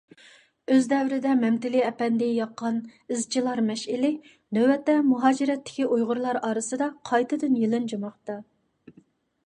ئۆز دەۋرىدە مەمتىلى ئەپەندى ياققان «ئىزچىلار مەشئىلى» نۆۋەتتە مۇھاجىرەتتىكى ئۇيغۇرلار ئارىسىدا قايتىدىن يېلىنجىماقتا.